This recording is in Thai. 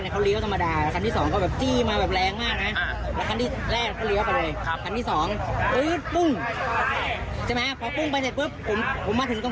ผมก็ถามอ่ะอ้าวพี่ขึ้นมาเลยขึ้นก่อนได้ไหม